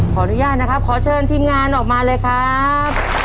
ขออนุญาตนะครับขอเชิญทีมงานออกมาเลยครับ